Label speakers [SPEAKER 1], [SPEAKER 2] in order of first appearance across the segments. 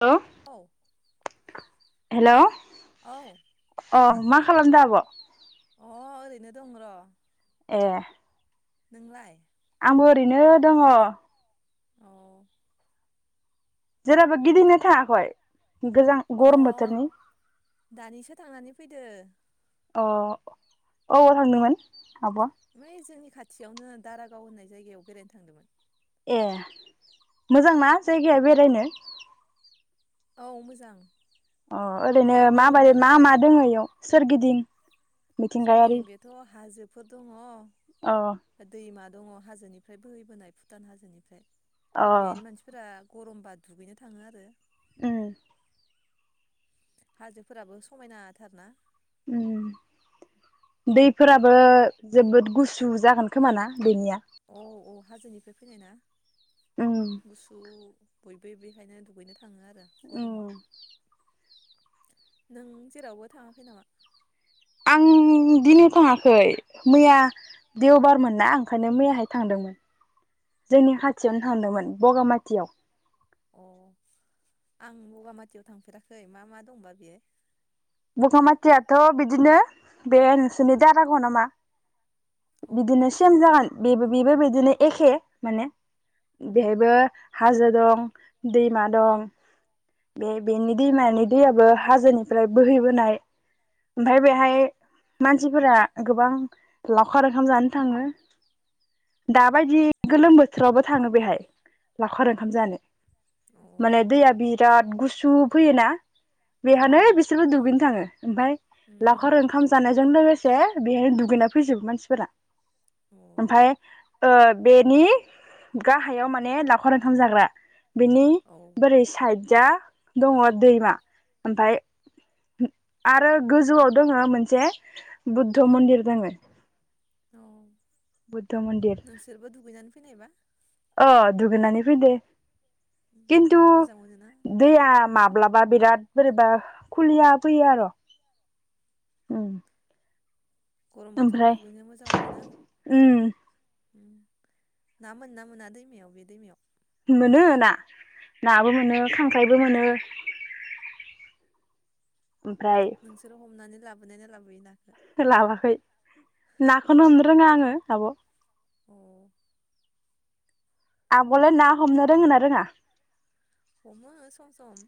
[SPEAKER 1] औ
[SPEAKER 2] औ
[SPEAKER 1] हेलौ
[SPEAKER 2] औ
[SPEAKER 1] अ मा खालामदो आब'?
[SPEAKER 2] अ ओरैनो दं र'
[SPEAKER 1] ए
[SPEAKER 2] नोंलाय
[SPEAKER 1] आंबो ओरैनो दङ।
[SPEAKER 2] औ
[SPEAKER 1] जेरावबो गिदिंनो थाङाखय
[SPEAKER 2] अ दानिसो थांनानै फैदो
[SPEAKER 1] अ अबाव थांदोंमोन? आब'आ
[SPEAKER 2] बै जोंनि खाथियावनो दारागाव होननाय जायगायाव बेरायनो थांदोंमोन।
[SPEAKER 1] ए मोजांना जायगाया बेरायनो
[SPEAKER 2] औ मोजां
[SPEAKER 1] अ ओरैनो
[SPEAKER 2] दा गरम
[SPEAKER 1] माबायै मा
[SPEAKER 2] नालाय
[SPEAKER 1] मा
[SPEAKER 2] उम
[SPEAKER 1] दङ इयाव सोरगिदिं मिथिंगायारि
[SPEAKER 2] सोरगिदिं बेथ' हाजोब थ' दङ
[SPEAKER 1] अ
[SPEAKER 2] दैमा दङ हाजोनिफ्राय बोहैबोनाय भुटान हाजोनिफ्राय
[SPEAKER 1] अ
[SPEAKER 2] बेहायनो मानसिफोरा गरमबा दुगैनो थाङो आरो
[SPEAKER 1] ओम
[SPEAKER 2] हाजोफोराबो समायनाथार ना
[SPEAKER 1] ओम दैफोराबो जोबोद गुसु जागोन खोमाना बेनिया
[SPEAKER 2] औ औ हाजोनिफ्राय फैनाय ना
[SPEAKER 1] उम
[SPEAKER 2] गुसु बयबो बेहायनो दुगैनो थां थांङो आरो
[SPEAKER 1] उम
[SPEAKER 2] गरमाव नों जेरावबो थाङाखै नामा
[SPEAKER 1] आं दिनै थाङाखै मैया देवबारमोन ना ओंखायनो मैयाहाय थांदोंमोन जोंनि
[SPEAKER 2] अ
[SPEAKER 1] खाथियावनो
[SPEAKER 2] बबे
[SPEAKER 1] थांदोंमोन बगामाथियाव
[SPEAKER 2] अ आं बगामाथियाव थांफेराखै मा मा दंबा बियो‌
[SPEAKER 1] बगामाथियाथ' बिदिनो बे नोंसोरनि दारागाव नामा
[SPEAKER 2] औ
[SPEAKER 1] बिदिनो सेम जागोन बेबो बेबो बिदिनो एखे माने बेहायबो हाजो दं दैमा दं बे बेनि दैमानि दैयाबो हाजोनिफ्राय बोहैबोनाय ओमफाय बेहाय मानसिफोरा गोबां लावखार ओंखाम जानो थाङो दाबायदि गोलोम बोथोरावबो थाङो बेहाय लावखार ओंखाम जानो
[SPEAKER 2] अ
[SPEAKER 1] माने दैआ बि राद गुसु फैयोना बेहानो
[SPEAKER 2] उम
[SPEAKER 1] बिसोरबो दुगैनो थाङो ओमफाय लावखार
[SPEAKER 2] उम
[SPEAKER 1] ओंखाम जानाय जों लोगोसे बेहाय‌ दुगैना फैजोबो मानसिफोरा
[SPEAKER 2] अ औ
[SPEAKER 1] ओमफाय ओ बेनि गाहायाव माने लावखार ओंखाम जाग्रा बिनि बोरै साइद जा दङ दैमा ओमफाय आरो गोजौआव दोङो मोनसे बुद्ध मन्दिर दङो
[SPEAKER 2] औ
[SPEAKER 1] बुद्ध मन्दिर
[SPEAKER 2] नोंसोरबो दुगैनानै फैनायबा
[SPEAKER 1] ओ दुगैनानै
[SPEAKER 2] उम
[SPEAKER 1] [unintelligible] खिन्थु
[SPEAKER 2] मोजां मोनोना
[SPEAKER 1] दैया माब्लाबा बिराद बोरैबा खुलिया फैयो आर' उम
[SPEAKER 2] गरम बोथोराव दुगैनो मोजां मोनो ना?
[SPEAKER 1] उम
[SPEAKER 2] ना मोनो ना मोना दैमायाव बे दैमायाव?
[SPEAKER 1] मोनो ना नाबो मोनो खांख्राइबो मोनो। ओमफ्राय
[SPEAKER 2] नोंसोरो हमनानै लाबोनाय ना लाबो [unintelligible]
[SPEAKER 1] लाबोआखै नाखौनो हमनो रोङा आङो आब'
[SPEAKER 2] अ
[SPEAKER 1] आब'आलाय ना हमनो रोङो ना रोङा?
[SPEAKER 2] हमो सम सम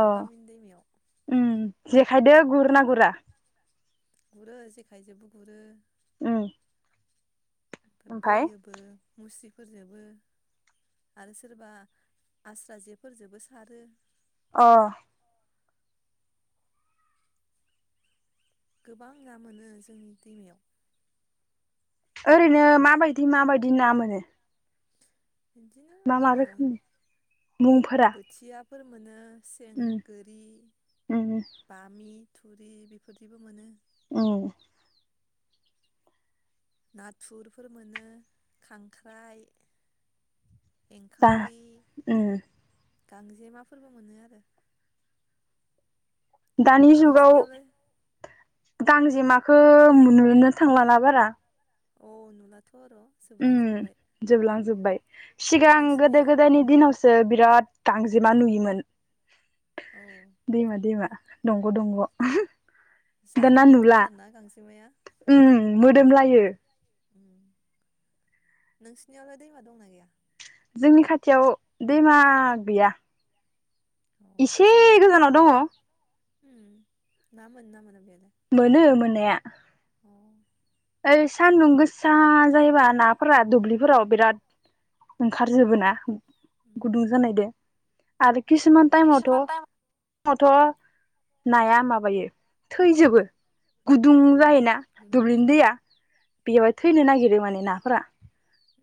[SPEAKER 1] अ
[SPEAKER 2] गामिनि दैमायाव
[SPEAKER 1] खायदो गुरो ना गुरा?
[SPEAKER 2] गुरो जेखाइजोंबो गुरो
[SPEAKER 1] उम
[SPEAKER 2] ओमफाय बोयोबो मुस्रि फोरजोबो आरो सोरबा आस्रा जेफोरजोबो सारो
[SPEAKER 1] अ
[SPEAKER 2] गोबां ना मोनो जोंनि दैमायाव।
[SPEAKER 1] ओरैनो माबायदि माबायदि ना मोनो?
[SPEAKER 2] बिदिनो
[SPEAKER 1] मा मा
[SPEAKER 2] ओ
[SPEAKER 1] रोखोमनि मुंफोरा?
[SPEAKER 2] फोर मोनो सें,
[SPEAKER 1] उम
[SPEAKER 2] गोरि,
[SPEAKER 1] उम
[SPEAKER 2] बामि थुरि बेफोरदिबो मोनो
[SPEAKER 1] उम
[SPEAKER 2] नाथुरफोर मोनो खांख्राइ
[SPEAKER 1] बा
[SPEAKER 2] एंखावरि
[SPEAKER 1] ओम
[SPEAKER 2] गांजेमाफोरबो मोनो आरो
[SPEAKER 1] दानि जुगाव
[SPEAKER 2] नोंसिनियावलाय
[SPEAKER 1] गांजेमाखो मोननो थांलाना बारा
[SPEAKER 2] औ नुला
[SPEAKER 1] उम जोबलांजोब्बाय सिगां गोदो
[SPEAKER 2] नोंसिनियाव
[SPEAKER 1] गोदायनि दिनावसो बिराद गांजेमा नुयोमोन
[SPEAKER 2] औ
[SPEAKER 1] दैमा दैमा दंग' दंग' दाना
[SPEAKER 2] जानोबो
[SPEAKER 1] नुला
[SPEAKER 2] गोथावथारना गांजेमाया
[SPEAKER 1] ओम मोदोमलाय ए
[SPEAKER 2] उम नोंसिनियावलाय दैमा दंना गैया?
[SPEAKER 1] जोंनि खाथियाव दैमा गैया।
[SPEAKER 2] औ
[SPEAKER 1] एसे गोजानाव दङ।
[SPEAKER 2] उम ना मोनोना मोना बिहा
[SPEAKER 1] मोनो मोननाया सान्दुं गोसा जायोबा नाफोरा दुब्लिफोराव बिराद ओंखार जोबो ना।
[SPEAKER 2] उम
[SPEAKER 1] गुदुं जानाय दो। आरो खिसुमान टाइमावथ
[SPEAKER 2] किसुमान टाइम
[SPEAKER 1] फोराथ' नाया माबायो थैजोबो। गुदुं
[SPEAKER 2] उम
[SPEAKER 1] जायोना दुब्लिनि
[SPEAKER 2] गुदुंसो
[SPEAKER 1] दैया। बेयावहाय थैनो नागिरो माने नाफोरा।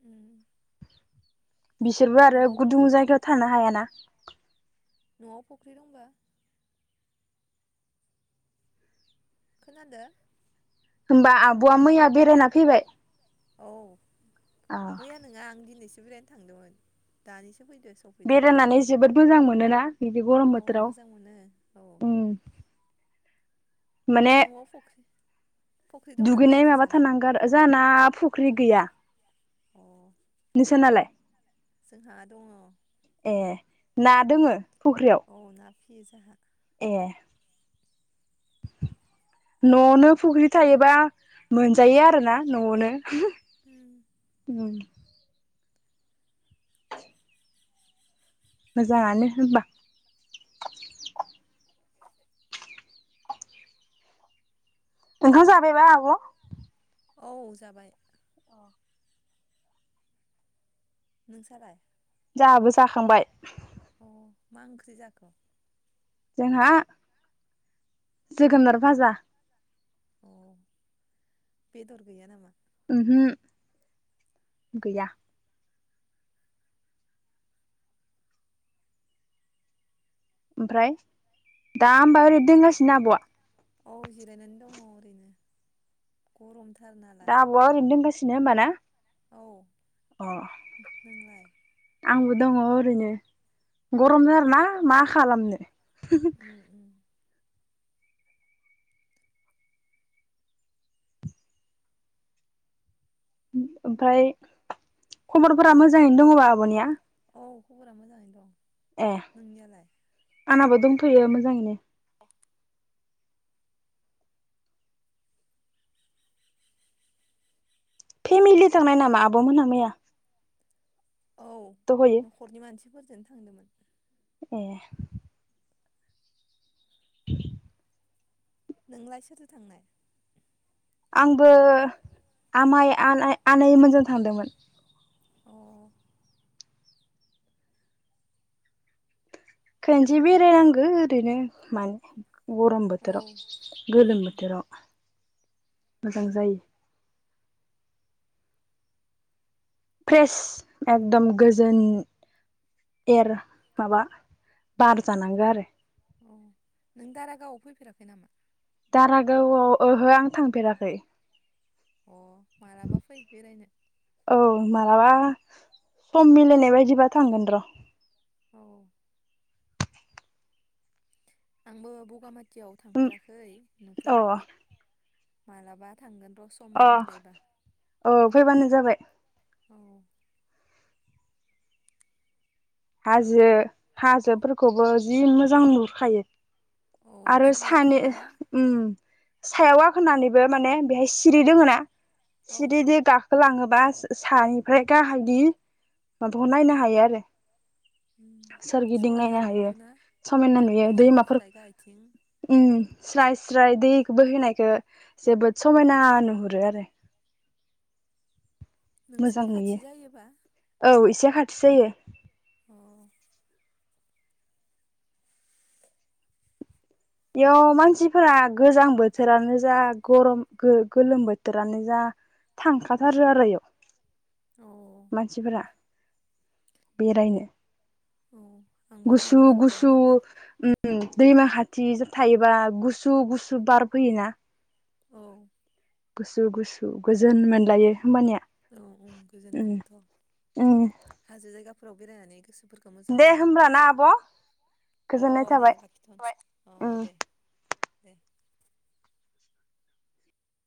[SPEAKER 2] उम।
[SPEAKER 1] बिसोरबो आरो
[SPEAKER 2] न'आव
[SPEAKER 1] गुदुं
[SPEAKER 2] फख्रि
[SPEAKER 1] जायगायाव थांनो हायाना।
[SPEAKER 2] न'आव फुख्रि दंबा? खोनादो।
[SPEAKER 1] होमबा आब'आ मैया बेरायना फैबाय।
[SPEAKER 2] औ
[SPEAKER 1] अ
[SPEAKER 2] मैया नङा आं दिनैसो बेरायनो थांदोंमोन दानिसो फैदो सफैदो
[SPEAKER 1] बेरायनानै जोबोद मोजां मोनोना। बिदि गरम
[SPEAKER 2] अ
[SPEAKER 1] बोथोराव
[SPEAKER 2] मोजां मोनो औ
[SPEAKER 1] उम। माने
[SPEAKER 2] न'आव फख्रि फख्रि दंना गैया
[SPEAKER 1] दुगैनाय माबा
[SPEAKER 2] नोंसालाय
[SPEAKER 1] थानांगौ आरो जोहा ना फु फख्रि गैया।
[SPEAKER 2] अ
[SPEAKER 1] नोसा ना लाय?
[SPEAKER 2] जोंहा दंङ।
[SPEAKER 1] ए ना दोंङो?
[SPEAKER 2] औ ना फियो जाहा।
[SPEAKER 1] ए। न'आवनो फुख्रि थायोबा मोनजायो आरोना न'आवनो।
[SPEAKER 2] उम।
[SPEAKER 1] उम। मोजांङानो होनबा। ओंखाम जाबायबा आब'।
[SPEAKER 2] औ जाबाय।
[SPEAKER 1] अ।
[SPEAKER 2] नोंसा लाय।
[SPEAKER 1] जोहाबो जाखांबाय।
[SPEAKER 2] अ मा ओंख्रि जाखो?
[SPEAKER 1] जोंहा जोगोनार फाजा।
[SPEAKER 2] अ बेदर गैया नामा?
[SPEAKER 1] ओ हो गैया ओमफ्राय दा होमबा ओरैनो दोंगासिनो आब'आ
[SPEAKER 2] औ जिरायनानै दंङ ओरैनो गरमथा
[SPEAKER 1] दा आब'आ ओरैनो दोंगासि नो होनबा ना
[SPEAKER 2] औ
[SPEAKER 1] अ
[SPEAKER 2] नोलाय
[SPEAKER 1] आंबो दंङ ओरैनो गरम थार‌‌ ना‌ मा खालामनो
[SPEAKER 2] उम
[SPEAKER 1] [inaudible]
[SPEAKER 2] उम
[SPEAKER 1] उम ओमफाय खबरफोरा मोजांङैनो दंङबा आब'निया
[SPEAKER 2] औ खबरा मोजांङैनो दं
[SPEAKER 1] ए
[SPEAKER 2] नोंनियालाय?
[SPEAKER 1] आंना बो दंथ'यो मोजांङैनो फेमिलि थांनाय नामा आब'मोनहा मैया
[SPEAKER 2] औ
[SPEAKER 1] दहयो
[SPEAKER 2] न'खरनि मानसिफोरजों थांदोंमोन
[SPEAKER 1] ए
[SPEAKER 2] नोंलाय सोरजों थांनाय
[SPEAKER 1] आंबो आमाइ आनैमोनजों थांदोंमोन
[SPEAKER 2] अ
[SPEAKER 1] खोनसे बेरायनांगौ ओरैनो मानो थांखो गरम बोथोरव
[SPEAKER 2] औ
[SPEAKER 1] गोलोम
[SPEAKER 2] उम
[SPEAKER 1] बोथोराव मोजां जायो फ्रेस एकदम गोजोन एयार माबा बार जानांगौ आरो
[SPEAKER 2] उम नों दाराागावआव फैफेराखै नामा?
[SPEAKER 1] दारागावआव ओहो आं थांफेराखै
[SPEAKER 2] अ मालाबा फै बेरायनो
[SPEAKER 1] औ मालाबा सम मिलायनाय बायदिबा थांगोन र'
[SPEAKER 2] औ आंबो बगामाथि सिटियाव थांफेराखै
[SPEAKER 1] अ
[SPEAKER 2] नुफेराखै मालाबा थांगोन र' सम
[SPEAKER 1] अ
[SPEAKER 2] मिलायबा
[SPEAKER 1] औ फैबानो जाबाय
[SPEAKER 2] औ
[SPEAKER 1] हाजो हाजोफोरखौबो जि मोजां नुहुरखायो
[SPEAKER 2] औ
[SPEAKER 1] आरो सानै
[SPEAKER 2] समायनाथारना?
[SPEAKER 1] उम सायाव आखोनानैबो माने बेहाय सिरि दोङो ना
[SPEAKER 2] औ
[SPEAKER 1] सिरिदि गाखोलाङो बा सानिफ्राय गाहायनगि माबाखौ नायनो हायो आरो
[SPEAKER 2] उम
[SPEAKER 1] सोरगिदिं
[SPEAKER 2] समायना
[SPEAKER 1] नायनो हायो
[SPEAKER 2] नुहुरोना
[SPEAKER 1] समायना
[SPEAKER 2] अ
[SPEAKER 1] नुयो दैमाफोर
[SPEAKER 2] गोजौनिफ्राय गाहायथिं
[SPEAKER 1] उम स्राय स्राय दै बोहैनायखो जोबोद
[SPEAKER 2] अ
[SPEAKER 1] समायना नुहुरो आरो।
[SPEAKER 2] नोंसोरनि खाथि जायोबा?
[SPEAKER 1] इसे खाथि जायो।
[SPEAKER 2] अ।
[SPEAKER 1] बेयाव मानसिफोरा गोजां बोथोरानो जा गरम गो-गोलोम बोथोरानो जा थांखाथारो आरो इयाव।
[SPEAKER 2] अ
[SPEAKER 1] मानसिफोरा बेरायनो
[SPEAKER 2] औ आंबो
[SPEAKER 1] गुसु
[SPEAKER 2] थांगोन र'
[SPEAKER 1] गुसु
[SPEAKER 2] एबार
[SPEAKER 1] ओम दैमा हाथ [unintelligible] थायोबा गुसु गुसु बार फैयोना।
[SPEAKER 2] औ।
[SPEAKER 1] गुसु गुसु गोजोन मोनलायो होमबानिया।
[SPEAKER 2] औ ओम गोजोन
[SPEAKER 1] उम
[SPEAKER 2] मोनोथ' आरो
[SPEAKER 1] उम
[SPEAKER 2] हाजो जायगा फोराव बेरायनानै गोसोफोरखौ मोजां
[SPEAKER 1] दे
[SPEAKER 2] मोनो।
[SPEAKER 1] होमब्ला ना आब'
[SPEAKER 2] अ
[SPEAKER 1] गोजोननाय
[SPEAKER 2] दे
[SPEAKER 1] थाबाय
[SPEAKER 2] लाखिथ'नो अ
[SPEAKER 1] उम
[SPEAKER 2] दे। दे।